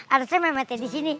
arusnya mehmetnya disini